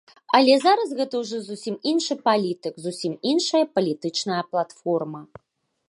Але зараз гэта ўжо зусім іншы палітык, зусім іншая палітычная платформа.